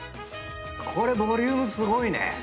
これボリュームすごいね！